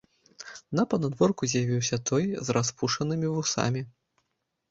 На панадворку з'явіўся той, з распушанымі вусамі.